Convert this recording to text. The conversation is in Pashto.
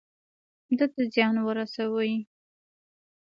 ده ته زيان ورسوي.